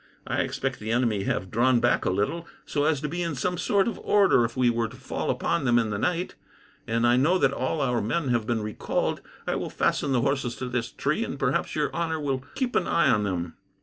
I expect the enemy have drawn back a little, so as to be in some sort of order if we were to fall upon them in the night; and I know that all our men have been recalled. I will fasten the horses to this tree, and perhaps your honour will keep an eye on them."